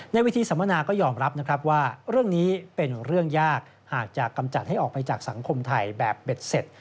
ในวิธีสัมมนาก็ยอมรับนะครับว่าเรื่องนี้เป็นเรื่องยากหากจะกำจัดให้ออกไปจากสังคมไทยแบบเบ็ดเสร็จ